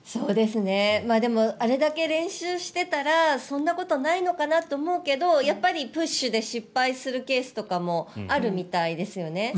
でもあれだけ練習していたらそんなことないのかなと思うけどやっぱりプッシュで失敗するケースとかもあるみたいですよね。